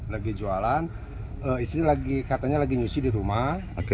lagi jualan istri katanya lagi nyusi di rumah